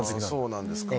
そうなんですか。